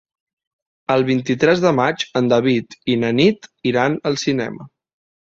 El vint-i-tres de maig en David i na Nit iran al cinema.